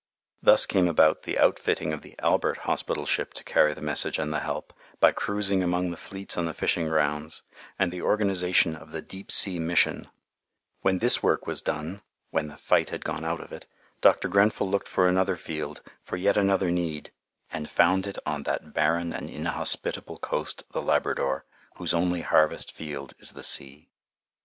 Thus came about the outfitting of the Albert hospital ship to carry the message and the help, by cruising among the fleets on the fishing grounds, and the organization of the Deep Sea Mission; when this work was done, "when the fight had gone out of it," Dr. Grenfell looked for another field, for yet another need, and found it on that barren and inhospitable coast the Labrador, whose only harvest field is the sea.